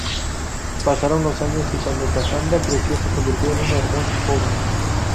Pasaron los años y cuando Casandra creció se convirtió en una hermosa joven.